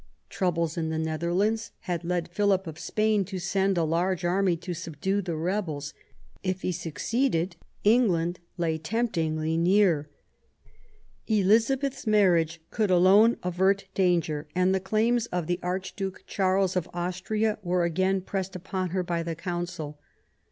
Troubles in the Netherlands had led Philip of Spain to send a large army to subdue the rebels ; if it suc ceeded, England lay temptingly near. Elizabeth's marriage could alone avert danger, and the claims of the Archduke Charles of Austria were again pressed upon her by the Council.